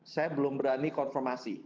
saya belum berani konfirmasi